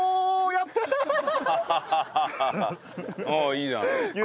いいじゃん。